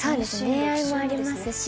恋愛もありますし